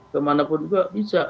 ke mana pun juga bisa